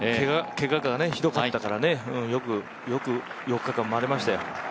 けががひどかったからね、よく４日間回れましたよ。